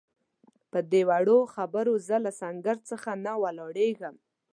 پدې وړو خبرو زه له سنګر څخه نه ولاړېږم.